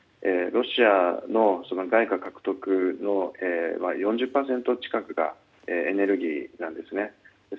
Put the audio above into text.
ロシアの外貨獲得の４０％近くがエネルギーなんですね。